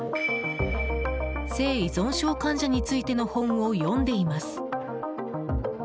性依存症患者についての本を読んでいます。